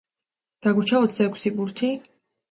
დაგვრჩა ოცდაექვსი ბურთი.